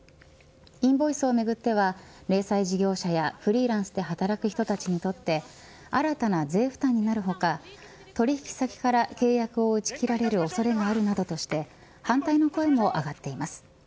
インボイスをめぐっては零細事業者やフリーランスで働く人たちにとって新たな税負担になる他取引先から契約を打ち切られる恐れがあるなどとして反対の声も上がっています。